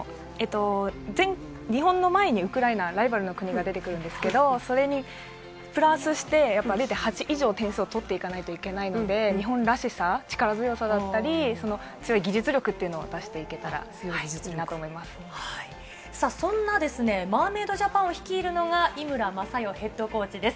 日本の前にウクライナ、ライバルの国が出てくるんですけれど、それにプラスして０．８以上点数をとっていかなければいけないので、日本らしさ力強さだったり強い技術力を出していけたらいいなマーメイドジャパンを率いるのが井村雅代ヘッドコーチです。